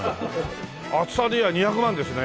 厚さで言えば２００万ですね。